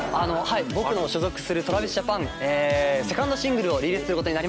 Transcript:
僕の所属するＴｒａｖｉｓＪａｐａｎ２ｎｄシングルをリリースする事になりました。